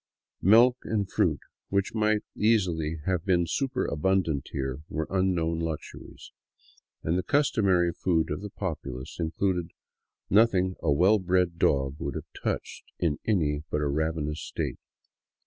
Milk and fruit, which might easily have been superabundant here, were unknown luxuries, and the customary food of the populace in cluded nothing a wellbred dog would have touched in any but a ravenous state.